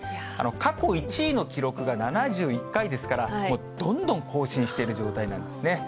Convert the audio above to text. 過去１位の記録が７１回ですから、どんどん更新している状態なんですね。